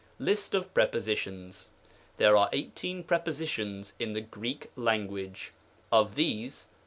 LIST OF PREPOSmONS. There are eighteen Prepositions in the Greek Lan guage; of these.